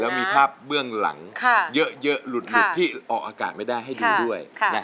มีภาพเบื้องหลังเยอะหลุดที่ออกอากาศไม่ได้ให้ดูด้วย